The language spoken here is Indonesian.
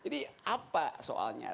jadi apa soalnya